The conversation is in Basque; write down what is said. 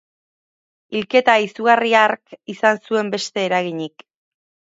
Hilketa izugarri hark izan zuen beste eraginik.